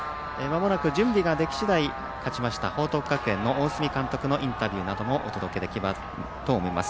準備が出来次第勝ちました、報徳学園の大角監督のインタビューなどもお届けできると思います。